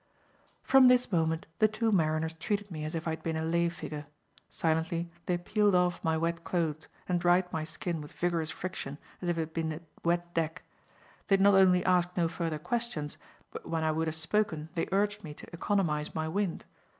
From this moment, the two mariners treated me as if I had been a lay figure. Silently, they peeled off my wet clothes, and dried my skin with vigorous friction as if it had been a wet deck. They not only asked no further questions, but when I would have spoken they urged me to economize my wind.